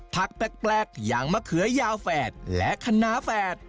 ผักแปลกอย่างมะเขือยาวแฝดและคณะแฝด